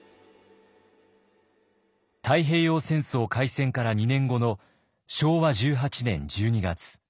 太平洋戦争開戦から２年後の昭和１８年１２月。